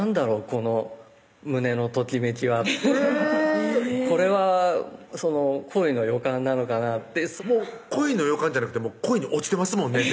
この胸のときめきはえぇこれは恋の予感なのかなって恋の予感じゃなくて恋に落ちてますもんね